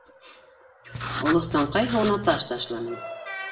Олоҫтанҡай һыуына таш ташланым